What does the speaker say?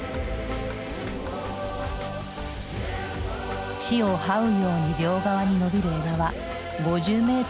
地をはうよう両側に伸びる枝は５０メートルに達する。